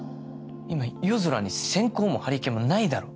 今夜空に閃光もハリケーンもないだろ？